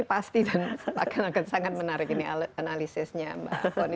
ini pasti akan sangat menarik ini analisisnya mbak poni